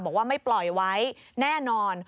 บอกว่าไม่ปล่อยไว้แน่นอน